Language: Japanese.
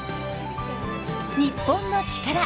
『日本のチカラ』